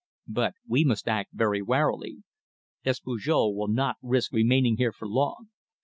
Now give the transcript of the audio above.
"But we must act very warily. Despujol will not risk remaining here for long.